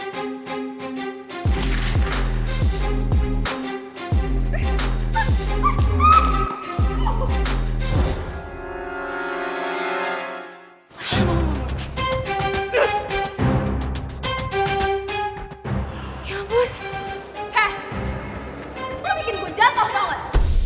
lo bikin gue jatuh kawan